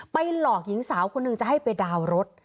หลอกหญิงสาวคนหนึ่งจะให้ไปดาวน์รถ